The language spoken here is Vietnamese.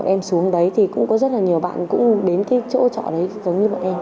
em xuống đấy thì cũng có rất là nhiều bạn cũng đến cái chỗ trọ đấy giống như bọn em